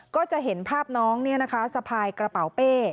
ก็จะเห็นภาพน้องสะพายกระเป๋าเป้